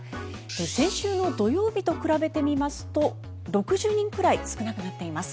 先週の土曜日と比べてみますと６０人くらい少なくなっています。